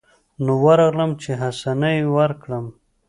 نو ورغلم چې حسنه يې ورکړم.